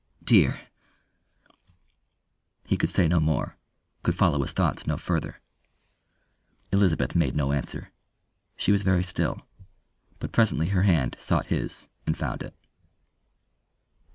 Dear ..." He could say no more, could follow his thoughts no further. Elizabeth made no answer she was very still; but presently her hand sought his and found it.